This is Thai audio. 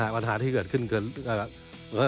ปัญหาที่เกิดขึ้นคือ